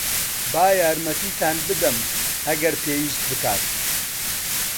با یارمەتیتان بدەم، ئەگەر پێویست بکات.